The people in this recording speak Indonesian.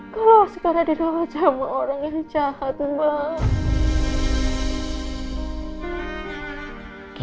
kalau askara di dalam acara sama orang yang jahat banget